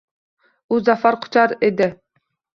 U zafar quchar edi.